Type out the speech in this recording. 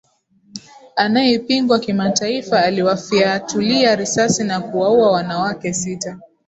anayepingwa kimataifa aliwafiatulia risasi na kuwaua wanawake sita